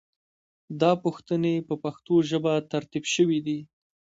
دا پوښتنې په پښتو ژبه ترتیب شوې دي.